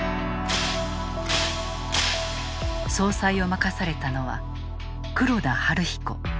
総裁を任されたのは黒田東彦。